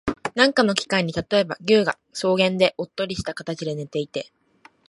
何かの機会に、例えば、牛が草原でおっとりした形で寝ていて、